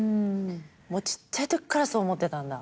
ちっちゃいときからそう思ってたんだ？